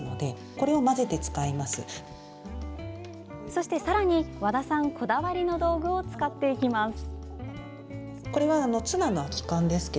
そして、さらに和田さんこだわりの道具を使っていきます。